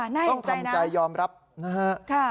ต้องทำใจยอมรับนะฮะ